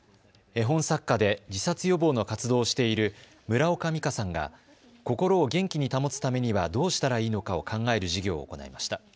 絵本作家で自殺予防の活動をしている夢ら丘実果さんが心を元気に保つためにはどうしたらいいのかを考える授業を行いました。